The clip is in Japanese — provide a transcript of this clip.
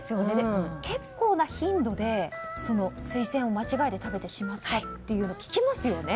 結構な頻度でスイセンを間違えて食べてしまったというのを聞きますよね。